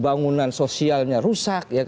bangunan sosialnya rusak